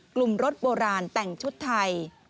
รถโบราณแต่งชุดไทย